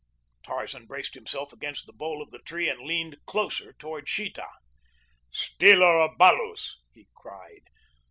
Tarzan braced himself against the bole of the tree and leaned closer toward Sheeta. "Stealer of balus!" he cried.